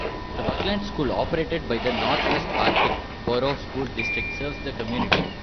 The Buckland School, operated by the Northwest Arctic Borough School District, serves the community.